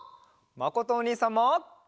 まことおにいさんも。